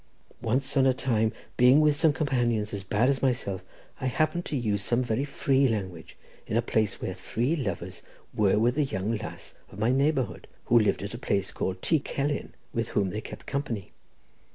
Once on a time, being with some companions as bad as myself, I happened to use some very free language in a place where three lovers were with a young lass of my neighbourhood, who lived at a place called Ty Celyn, with whom they kept company.